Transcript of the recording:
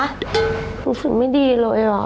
รู้สึกไม่ดีเลยเหรอ